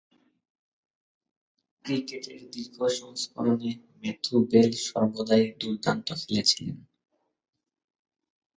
ক্রিকেটের দীর্ঘ সংস্করণে ম্যাথু বেল সর্বদাই দূর্দান্ত খেলেছিলেন।